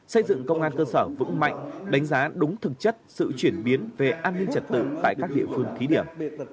xây dựng công an cơ sở vững mạnh đánh giá đúng thực chất sự chuyển biến về an ninh trật tự tại các địa phương thí điểm